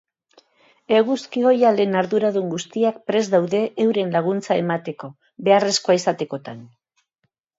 Eguzki-oihalen arduradun guztiak prest daude euran laguntza emateko, beharrezkoa izatekotan.